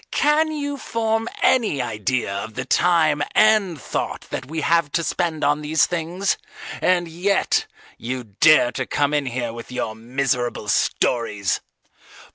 Can you form any idea of the time and thought that we have to spend on these things, and yet you dare to come in here with your miserable stories.